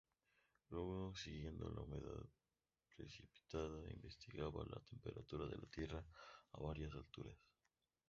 Luego, siguiendo la humedad precipitada, investigaba la temperatura de la tierra a varias alturas.